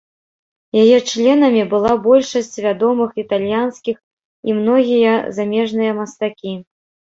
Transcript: Яе членамі была большасць вядомых італьянскіх і многія замежныя мастакі.